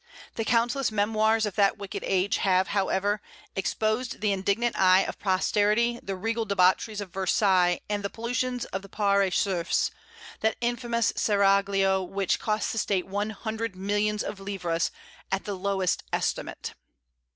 The countless memoirs of that wicked age have however, exposed to the indignant eye of posterity the regal debaucheries of Versailles and the pollutions of the Pare aux Cerfs, that infamous seraglio which cost the State one hundred millions of livres, at the lowest estimate.